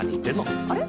あれ？